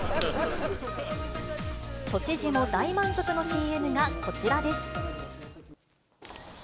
都知事も大満足のＣＭがこちらです。